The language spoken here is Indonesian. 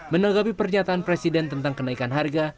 menanggapi pernyataan presiden tentang kenaikan harga